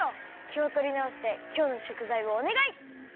きをとりなおしてきょうのしょくざいをおねがい！